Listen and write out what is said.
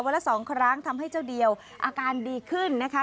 ละสองครั้งทำให้เจ้าเดียวอาการดีขึ้นนะคะ